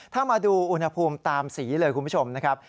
ถ้ามาดูอุณหภูมิตามสีเลยคุณผู้ชมนะครับ